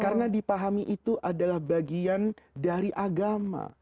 karena dipahami itu adalah bagian dari agama